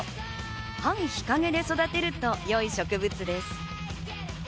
半日陰で育てるとよい植物です。